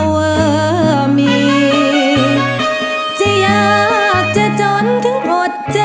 ส่วนที่ก็คือสมโพธิค่ะ